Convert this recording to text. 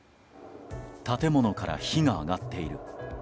建物から火が上がっている。